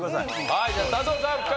はいじゃあ佐藤さん復活！